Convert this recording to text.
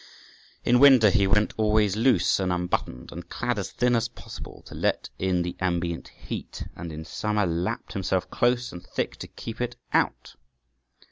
In winter he went always loose and unbuttoned, and clad as thin as possible to let in the ambient heat, and in summer lapped himself close and thick to keep it out {147b}.